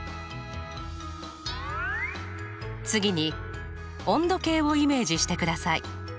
次に温度計をイメージしてください。